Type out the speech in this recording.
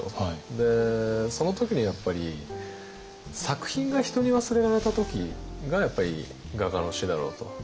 その時にやっぱり作品が人に忘れられた時が画家の死だろうと。